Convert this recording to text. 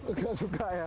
nggak suka ya